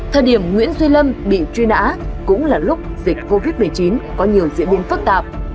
thời điểm nguyễn duy lâm bị truy nã cũng là lúc dịch covid một mươi chín có nhiều diễn biến phức tạp